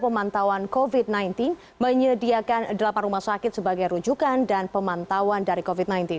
menyediakan delapan rumah sakit sebagai rujukan dan pemantauan dari covid sembilan belas